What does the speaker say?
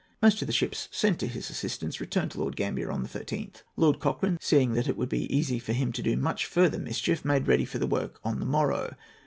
Most of the ships sent to his assistance returned to Lord Grambier on the 13th. Lord Cochrane, seeing that it would be easy for him to do much further mischief, made ready for the work on the morrow.